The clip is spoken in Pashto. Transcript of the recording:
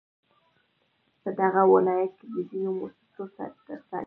په دغه ولايت كې د ځينو مؤسسو ترڅنگ